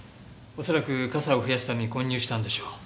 恐らくかさを増やすために混入したんでしょう。